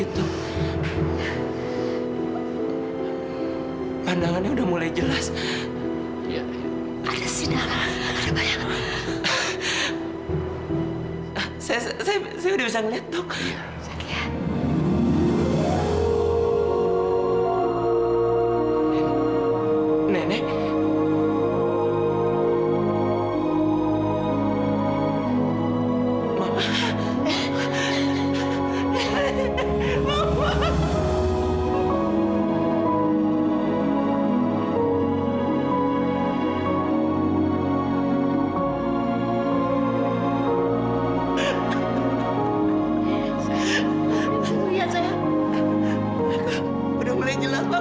terima kasih tuhan